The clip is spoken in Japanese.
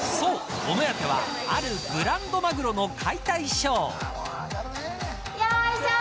お目当てはあるブランドマグロの解体ショー。